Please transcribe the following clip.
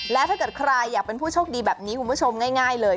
และถ้าเกิดใครอยากเป็นผู้โชคดีแบบนี้คุณผู้ชมง่ายเลย